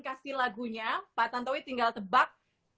kasih lagunya pak tantowi tinggal tebak